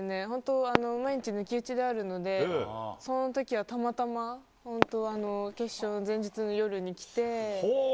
本当、毎日抜き打ちであるので、そのときはたまたま、本当、決勝の前日の夜に来て。